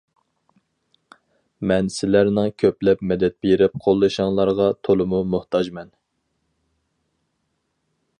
مەن سىلەرنىڭ كۆپلەپ مەدەت بېرىپ قوللىشىڭلارغا تولىمۇ موھتاجمەن!